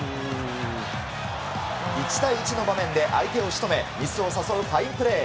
１対１の場面で相手を仕留めミスを誘うファインプレー。